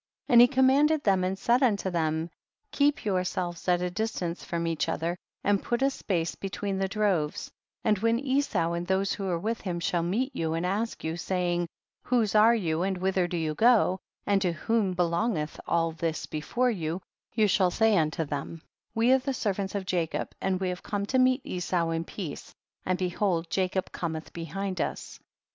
44. And he commanded them, and said unto them, keep yourselves at a distance from each other, and put a space between the droves, and when Esau and those who are with him shall meet you and ask you, saying, whose are you, and whither do you go, and to whom belongeth all this before you, you shall say imto them, we are the servants of Jacob, and we come to meet Esau in peace, and behold Jacob cometh behind us.